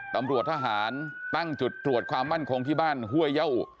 ตำรวจทหารตั้งจุดตรวจความมั่นคงที่บ้านห้วยเย่า